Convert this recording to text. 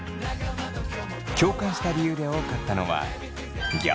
共感した理由で多かったのはなど